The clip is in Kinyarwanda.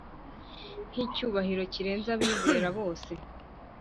nk - icyubahiro kirenze abizera bose!